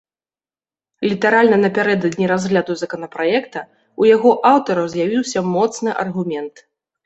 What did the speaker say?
Літаральна напярэдадні разгляду законапраекта ў яго аўтараў з'явіўся моцны аргумент.